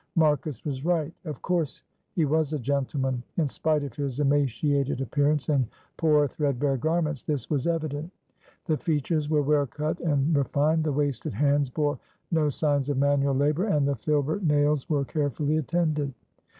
Marcus was right; of course he was a gentleman; in spite of his emaciated appearance and poor, threadbare garments, this was evident; the features were well cut and refined; the wasted hands bore no signs of manual labour, and the filbert nails were carefully attended.